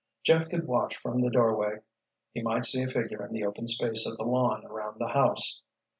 Jeff could watch from the doorway. He might see a figure in the open space of the lawn around the house.